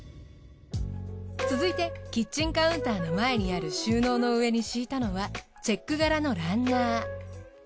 続いてキッチンカウンターの前にある収納の上に敷いたのはチェック柄のランナー。